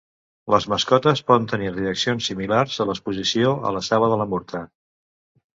Les mascotes poden tenir reaccions similars a l'exposició a la saba de la murta.